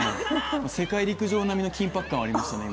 世界陸上並みの緊迫感はありましたね。